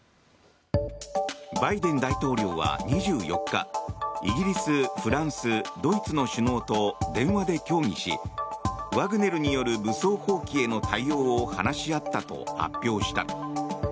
バイデン大統領は２４日イギリス、フランス、ドイツの首脳と電話で協議しワグネルによる武装蜂起への対応を話し合ったと発表した。